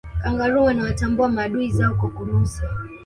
kangaroo wanawatambua maadui zao kwa kunusa